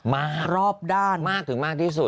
รอบด้านมากถึงมากที่สุด